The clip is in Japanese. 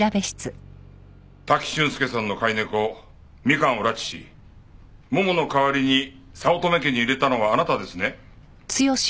滝俊介さんの飼い猫みかんを拉致しももの代わりに早乙女家に入れたのはあなたですね？